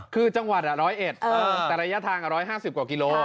คือจังหวัด๑๐๑แต่ระยะทาง๑๕๐กว่ากิโล